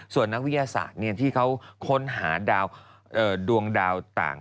ส่วนนักวิทยาศาสตร์ที่เขาค้นหาดวงดาวต่าง